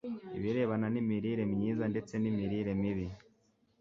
ibirebana n'imirire myiza ndetse n'imirire mibi